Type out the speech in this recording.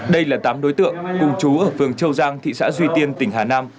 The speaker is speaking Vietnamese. đây là tám đối tượng cùng chú ở phường châu giang thị xã duy tiên tỉnh hà nam